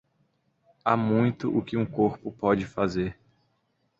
Há muito o que um corpo pode fazer.